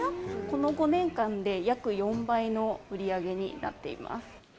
この５年間で約４倍の売り上げになっています。